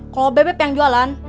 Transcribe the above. kalo bebep yang jualan